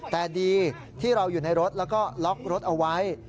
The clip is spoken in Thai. แต่ดีที่เราอยู่ในรถแล้วก็ล็อกรถเอาไว้